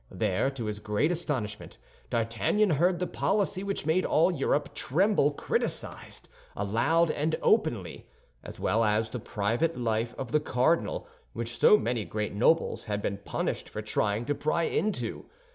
There, to his great astonishment, D'Artagnan heard the policy which made all Europe tremble criticized aloud and openly, as well as the private life of the cardinal, which so many great nobles had been punished for trying to pry into.